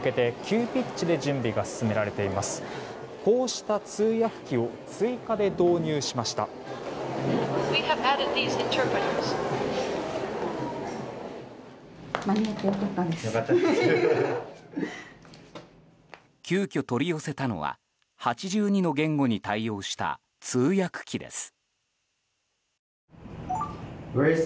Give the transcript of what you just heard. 急きょ取り寄せたのは８２の言語に対応した通訳機です。